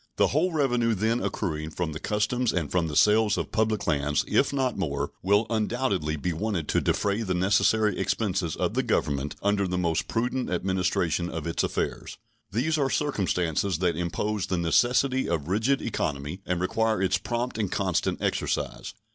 The whole revenue then accruing from the customs and from the sales of public lands, if not more, will undoubtedly be wanted to defray the necessary expenses of the Government under the most prudent administration of its affairs. These are circumstances that impose the necessity of rigid economy and require its prompt and constant exercise.